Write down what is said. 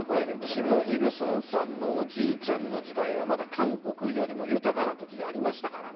キム・イルソンさんの、おじいちゃんの時代はまだ、韓国よりも豊かなときがありましたからね。